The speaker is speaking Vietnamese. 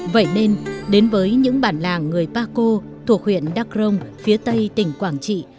vậy nên đến với những bản làng người baco thuộc huyện đắc rông phía tây tỉnh quảng trị